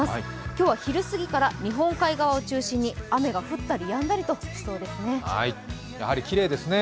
今日は昼すぎから日本海側を中心に雨が降ったりやんだりしそうですね。